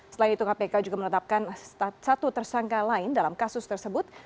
selain itu kpk juga menetapkan satu tersangka lain dalam kasus tersebut